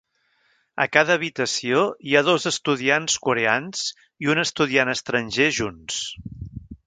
A cada habitació, hi ha dos estudiants coreans i un estudiant estranger junts.